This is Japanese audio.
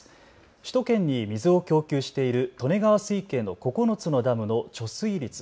首都圏に水を供給している利根川水系の９つのダムの貯水率。